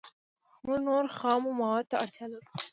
موږ نورو خامو موادو ته اړتیا لرو